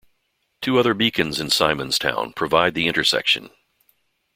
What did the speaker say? Two other beacons in Simon's Town provide the intersection.